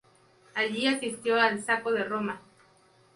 Allí asistió al Saco de Roma.